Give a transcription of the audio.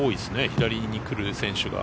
左に来る選手が。